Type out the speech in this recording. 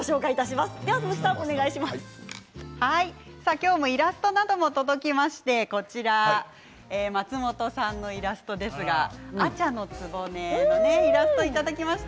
今日もイラストなども届きまして松本さんのイラストですが阿茶局のねイラストをいただきました。